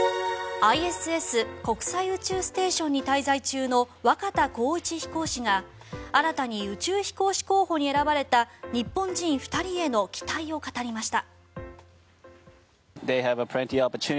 ＩＳＳ・国際宇宙ステーションに滞在中の若田光一飛行士が新たに宇宙飛行士候補に選ばれた日本人２人への期待を語りました。